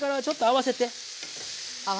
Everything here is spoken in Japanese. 合わせて。